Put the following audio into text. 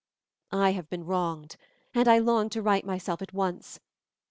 I have been wronged, and I long to right myself at once.